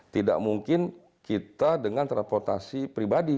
tidak mungkin kita dengan transportasi pribadi